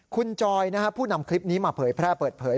คุณจอยผู้นำคลิปนี้มาเผยแพร่เปิดเผย